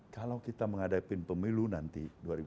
kalau kita menghadapi pemilu nanti dua ribu dua puluh